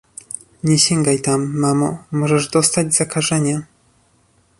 Nie sięgaj tam, mamo, możesz dostać zakażenia